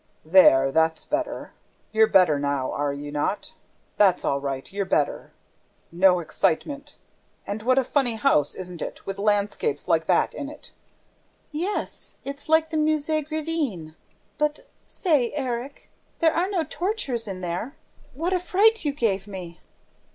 "There, that's better! ... You're better now, are you not? ... That's all right, you're better! ... No excitement! ... And what a funny house, isn't it, with landscapes like that in it?" "Yes, it's like the Musee Grevin ... But, say, Erik ... there are no tortures in there! ... What a fright you gave me!"